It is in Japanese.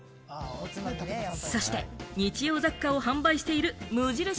そして日用雑貨を販売している無印